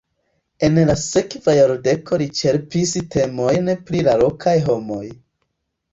En la sekva jardeko li ĉerpis temojn pri la lokaj homoj.